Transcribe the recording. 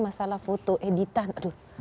masalah foto editan aduh